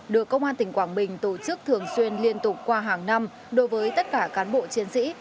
được công an tỉnh quảng bình tổ chức thường xuyên liên tục qua hàng năm đối với tất cả cán bộ chiến sĩ